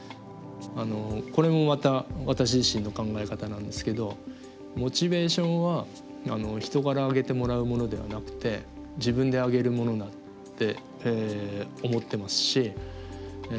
あのこれもまた私自身の考え方なんですけどモチベーションは人から上げてもらうものではなくて自分で上げるものだって思ってますし